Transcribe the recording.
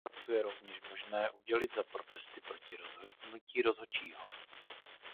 Žlutou kartu je rovněž možné udělit za protesty proti rozhodnutí rozhodčího.